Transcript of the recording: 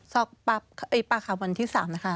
สอบปากคำวันที่๓นะคะ